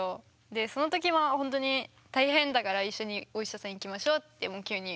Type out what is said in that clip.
でその時はほんとに大変だから一緒にお医者さん行きましょうってもう急に。